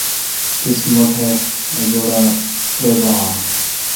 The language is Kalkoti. تیس مہ ٹھ ا جوڑہ ترےبان آں